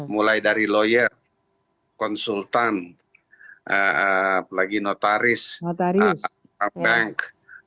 mulai dari lawyer konsultan apalagi notaris bank